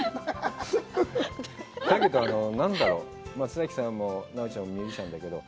だけど、何だろう、松崎さんも奈緒ちゃんも言ってたんだけど、